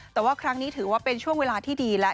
แต่ว่าครั้งนี้ถือว่าเป็นช่วงเวลาที่ดีแล้ว